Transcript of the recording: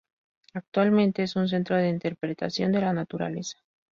Actualmente es un Centro de Interpretación de la Naturaleza.